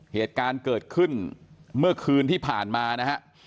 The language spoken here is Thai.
เหตุการณ์เกิดขึ้นเมื่อคืนที่ผ่านมานะฮะ